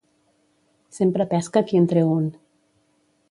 Sempre pesca qui en treu un.